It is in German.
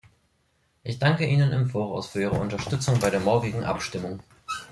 Ich danke Ihnen im Voraus für Ihre Unterstützung bei der morgigen Abstimmung.